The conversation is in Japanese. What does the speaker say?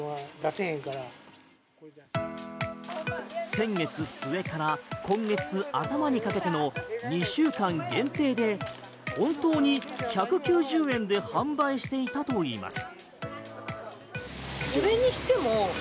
先月末から今月頭にかけての２週間限定で本当に１９０円で販売していたといいます。